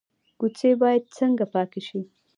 کوڅې باید څنګه پاکې شي؟